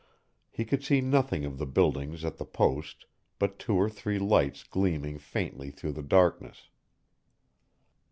He could see nothing of the buildings at the post but two or three lights gleaming faintly through the darkness.